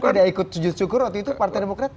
atau dia ikut sujud syukur waktu itu partai demokrat